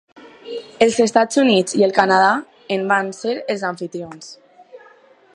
Els Estats Units i el Canadà en van ser els amfitrions.